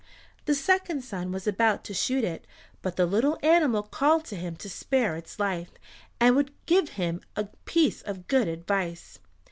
The second son was about to shoot it, but the little animal called to him to spare its life and it would give him a piece of good advice.